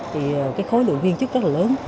thì cái khối lượng viên chức rất là lớn